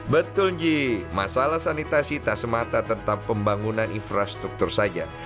betul ji masalah sanitasi tak semata tentang pembangunan infrastruktur saja